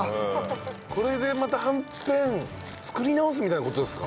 これでまたはんぺん作り直すみたいな事ですか？